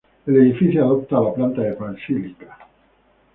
El edificio adopta la planta de basílica.